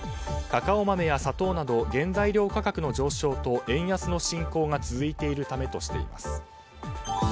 カカオ豆や砂糖など原材料価格の上昇と円安の進行が続いているためとしています。